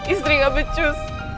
istri gak becus